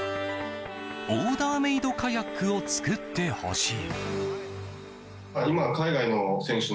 オーダーメイドカヤックを作ってほしい。